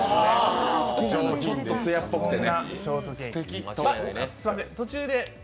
ちょっとつやっぽくてね。